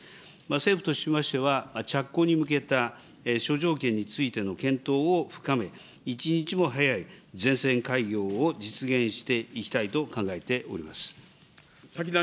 政府としましては、着工に向けた諸条件についての検討を深め、一日も早い全線開業を実現していきたいと考えております。